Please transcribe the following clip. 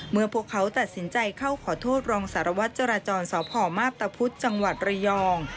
พวกเขาตัดสินใจเข้าขอโทษรองสารวัตรจราจรสพมาพตะพุธจังหวัดระยอง